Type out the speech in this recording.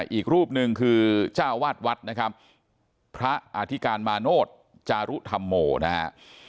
อีกรูปหนึ่งคือเจ้าวาดวัดนะครับพระอธิการมาโนธจารุธรรมโมนะฮะ